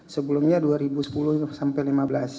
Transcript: sebelumnya dua ribu sepuluh sampai dua ribu lima belas